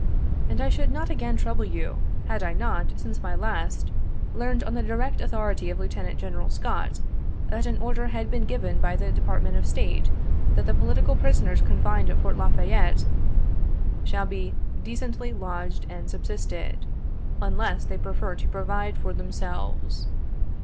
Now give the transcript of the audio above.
And I should not again trouble you, had I not, since my last, learned on the direct authority of Lieutenant General Scott, that an order had been given by the Department of State, that the political prisoners confined at Fort La Fayette, shall be " decently lodged and subsisted, unless they prefer to provide for themselves."